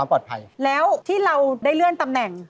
แล้วที่เราได้เลื่อนตำแหน่ง